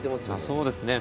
そうですね。